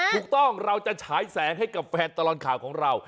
เราจะฉายแสงให้กับแฟนตลอดข่าวของเรา